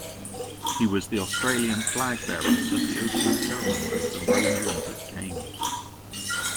He was the Australian flag-bearer at the opening ceremony of the Rome Olympic Games.